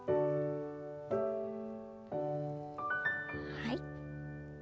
はい。